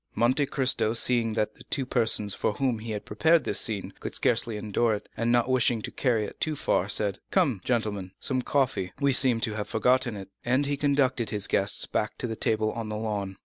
Monte Cristo, seeing that the two persons for whom he had prepared this scene could scarcely endure it, and not wishing to carry it too far, said: "Come, gentlemen,—some coffee, we seem to have forgotten it," and he conducted the guests back to the table on the lawn.